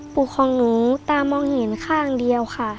ของหนูตามองเห็นข้างเดียวค่ะ